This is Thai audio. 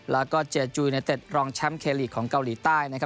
แล้วก็เจจูเนเต็ดรองแชมป์เคลีกของเกาหลีใต้นะครับ